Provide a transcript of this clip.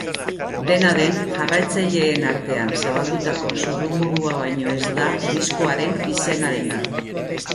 Dena den, jarraitzaileen artean zabaldutako zurrumurrua baino ez da diskoaren izenarena.